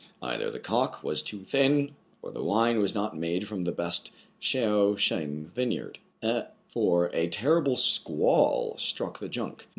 Either the cock was too thin, or the wine was not made from the best Chao Chigne vineyard ; for a terrible squall struck the junk.